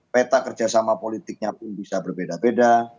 peta kerjasama politiknya pun bisa berbeda beda